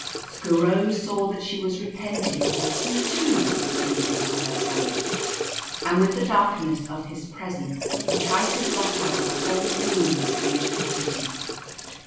Skooro saw that she was repenting, for he, too, could see into her thoughts, and with the darkness of his pre sence he tried to blot out the whole dream of the Beau tiful City.